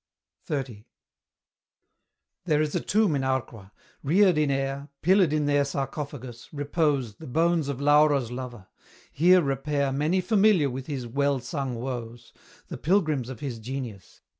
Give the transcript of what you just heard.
XXX. There is a tomb in Arqua; reared in air, Pillared in their sarcophagus, repose The bones of Laura's lover: here repair Many familiar with his well sung woes, The pilgrims of his genius.